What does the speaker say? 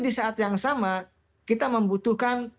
di saat yang sama kita membutuhkan